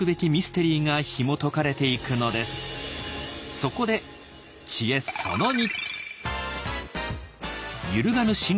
そこで知恵その二。